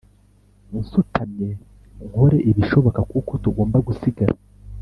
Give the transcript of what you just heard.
nsutamye nkore ibishoboka kuko tugomba gusigara